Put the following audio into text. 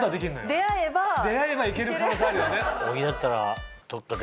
出会えば行ける可能性あるよね。